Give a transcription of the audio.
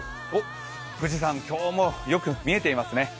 富士山、今日もよく見えていますね。